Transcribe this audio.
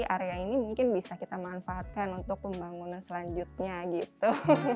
area ini mungkin bisa kita manfaatkan untuk pembangunan selanjutnya gitu